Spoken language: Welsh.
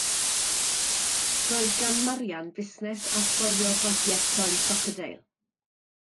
Roedd gan Marian fusnes allforio bagiau croen crocodeil.